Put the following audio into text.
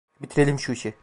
Bitirelim şu işi.